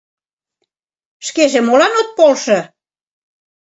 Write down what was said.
Шкеже молан от полшо?